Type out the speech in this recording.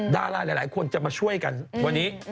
ดาราหลายคนจะมาช่วยกันวันนี้